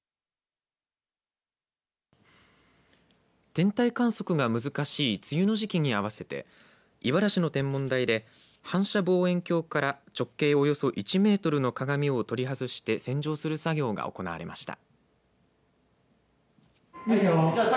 天体観測が難しい梅雨の時期に合わせて井原市の天文台で反射望遠鏡から直径およそ１メートルの鏡を取り外して洗浄する作業が行われました。